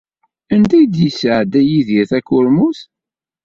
Anda ay d-yesɛedda Yidir takurmut?